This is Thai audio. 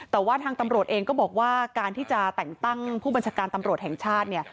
แต่ว่าทางตำรวจเองก็บอกว่าการที่จะแต่งตั้งผู้บัญชาการตำรวจแห่งชาติเนี่ย